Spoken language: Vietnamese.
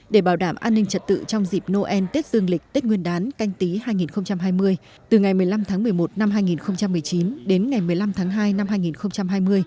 để bảo đảm an ninh trật tự trong dịp noel tết dương lịch tết nguyên đán canh tí hai nghìn hai mươi từ ngày một mươi năm tháng một mươi một năm hai nghìn một mươi chín đến ngày một mươi năm tháng hai năm hai nghìn hai mươi